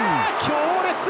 強烈！